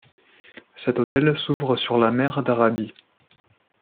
Cet hôtel s'ouvre sur la mer d'Arabie.